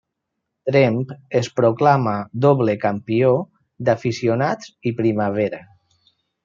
Tremp es proclama doble campió d'aficionats i primavera.